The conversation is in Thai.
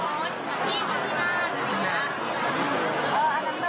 คุณผู้สามารถได้คิดคุณผู้สามารถได้คิด